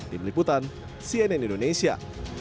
tim liputan cnn indonesia